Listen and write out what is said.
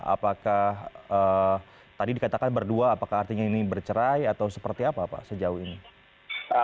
apakah tadi dikatakan berdua apakah artinya ini bercerai atau seperti apa pak sejauh ini